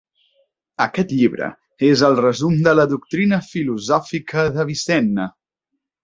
Aquest llibre és el resum de la doctrina filosòfica d'Avicenna.